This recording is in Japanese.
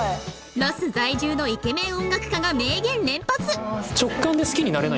ロス在住のイケメン音楽家が名言連発！